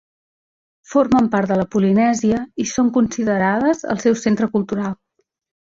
Formen part de la Polinèsia i són considerades el seu centre cultural.